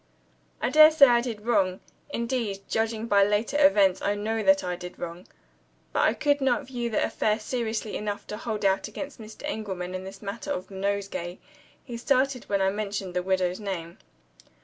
I dare say I did wrong indeed, judging by later events, I know I did wrong. But I could not view the affair seriously enough to hold out against Mr. Engelman in the matter of the nosegay. He started when I mentioned the widow's name.